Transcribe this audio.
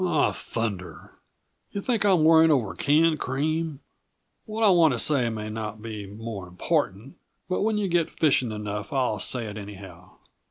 "Aw, thunder! yuh think I'm worrying over canned cream? What I want to say may not be more important, but when yuh get fishing enough I'll say it anyhow."